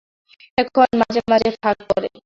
এখন মাঝে মাঝে ফাঁক পড়ে।